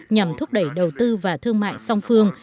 nhằm thúc đẩy đầu tư và thương mại song phương